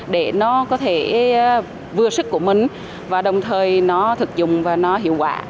để nó có thể vừa sức của mình và đồng thời nó thực dùng và nó hiệu quả